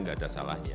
enggak ada salahnya